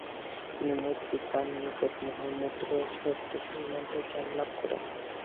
তিনি মৈত্রী পার নিকট মহামুদ্রা তত্ত্ব সম্বন্ধে জ্ঞানলাভ করেন।